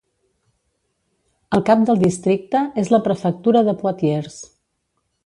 El cap del districte és la prefectura de Poitiers.